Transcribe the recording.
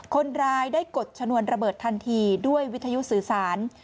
คนร้ายได้กดชนวนระเบิดทันทีด้วยวิทยุสื่อสาร